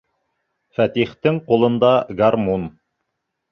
Фәтихтең ҡулында гармун.